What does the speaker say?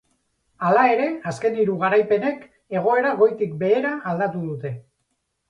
Hala ere, azken hiru garaipenek egoera goitik behera aldatu dute.